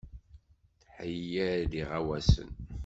Theyya-d iɣawasen.